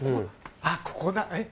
あっここだえっ？